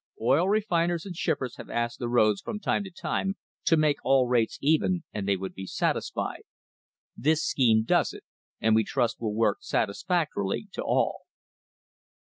Oil refiners and shippers have asked the roads from time to time to make all rates even and they would be satisfied. This scheme does it and we trust will work satisfactorily to all."